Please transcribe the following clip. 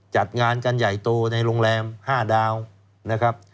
จัดงานกันใหญ่โตในโรงแรม๕ดาวนะครับ